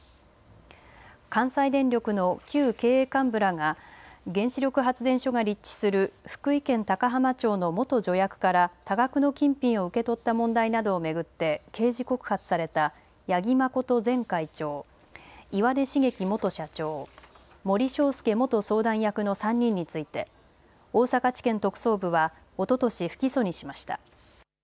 関西電力の旧経営幹部らが原子力発電所が立地する福井県高浜町の元助役から多額の金品を受け取った問題などを巡って刑事告発された八木誠前会長、岩根茂樹元社長、森詳介元相談役の３人について大阪地検特捜部はおととし不起訴にしました。